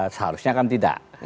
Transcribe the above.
seharusnya kan tidak